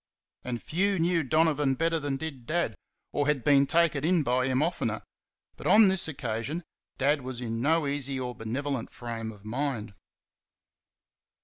And few knew Donovan better than did Dad, or had been taken in by him oftener; but on this occasion Dad was in no easy or benevolent frame of mind.